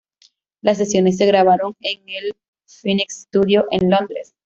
Las sesiones se grabaron en el Phoenix Studios en Londres.